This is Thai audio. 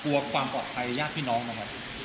กลัวความกอบใครยากพี่น้องต่อไหน